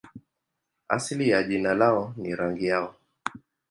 Asili ya jina lao ni rangi yao.